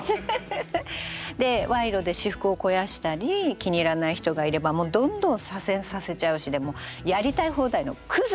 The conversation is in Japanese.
でわいろで私腹を肥やしたり気に入らない人がいればもうどんどん左遷させちゃうしでやりたい放題のクズ。